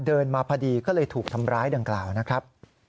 เดินมาพอดีก็เลยถูกทำร้ายดังกล่าวนะครับ